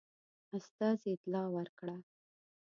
استازي اطلاع ورکړه.